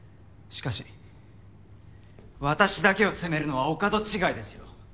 しかし私だけを責めるのはお門違いですよ。